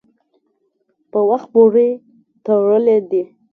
په وخت پورې تړلي دي.